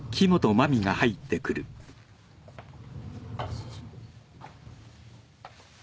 ・失礼します。